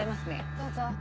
どうぞ。